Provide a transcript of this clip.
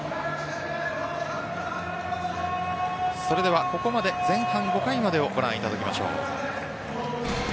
それではここまで前半５回までをご覧いただきます。